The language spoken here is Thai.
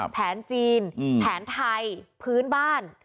แผนจีนแผนไทยพื้นบ้าน